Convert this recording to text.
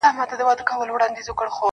• رډي سترګي یې زمري ته وې نیولي -